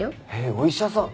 お医者さん。